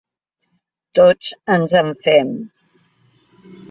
Tots ens en fem.